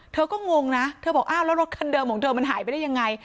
เธอก็งงนะเธอบอกอ้าวแล้วรถคันเดิมของเธอมันหายไปได้ยังไง